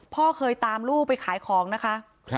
พ่อเคยตามลูกไปขายของนะคะ